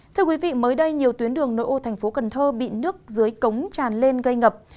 thưa quý vị mới đây nhiều tuyến đường nội ô thành phố cần thơ bị nước dưới cống tràn lên gây ngập